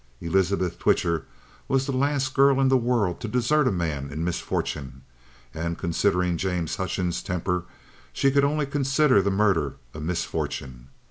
Elizabeth Twitcher was the last girl in the world to desert a man in misfortune, and, considering James Hutchings' temper, she could only consider the murder a misfortune.